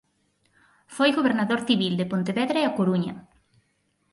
Foi gobernador civil de Pontevedra e A Coruña.